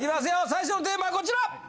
最初のテーマはこちら！